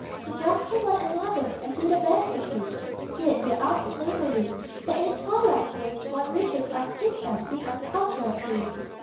They jostle one another And do their best to please Indeed, they are so neighborly That in the twilight green One reaches out to pick them Behind the poplar trees.